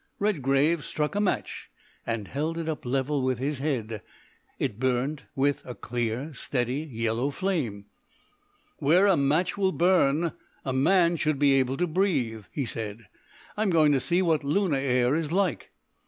Redgrave struck a match, and held it up level with his head; it burnt with a clear, steady, yellow flame. "Where a match will burn a man should be able to breathe," he said. "I'm going to see what lunar air is like."